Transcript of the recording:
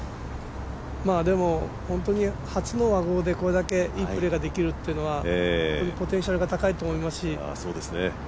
でも、本当に初の和合でこれだけいいプレーができるっていうのは本当にポテンシャルが高いと思いますし。